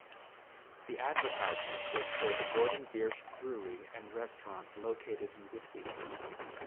The advertisement was for the Gordon Biersch brewery and restaurant located in Whitby.